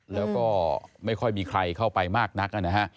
แล้วก็ไม่ค่อยมีใครเข้าไปมากนักนะฮะ